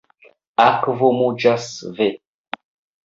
Akvo muĝas, ve.